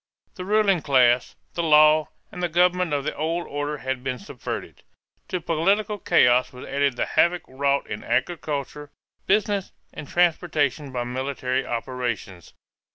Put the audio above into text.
The ruling class, the law, and the government of the old order had been subverted. To political chaos was added the havoc wrought in agriculture, business, and transportation by military operations.